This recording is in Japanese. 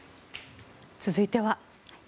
続いては。